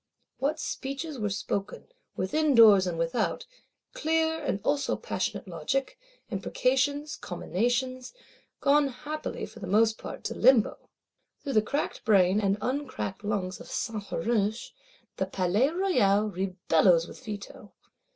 What speeches were spoken, within doors and without; clear, and also passionate logic; imprecations, comminations; gone happily, for most part, to Limbo! Through the cracked brain, and uncracked lungs of Saint Huruge, the Palais Royal rebellows with Veto.